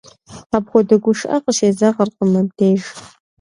Апхуэдэ гушыӀэ къыщезэгъыркъым мыбдеж.